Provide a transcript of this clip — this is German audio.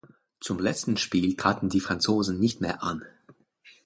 Zum letzten Spiel traten die Franzosen nicht mehr an.